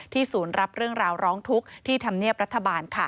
ศูนย์รับเรื่องราวร้องทุกข์ที่ธรรมเนียบรัฐบาล